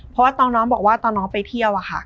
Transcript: เพราะว่าตอนน้องบอกว่าตอนน้องไปเที่ยวอะค่ะ